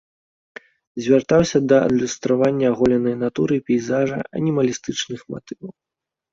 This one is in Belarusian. Звяртаўся да адлюстравання аголенай натуры, пейзажа, анімалістычных матываў.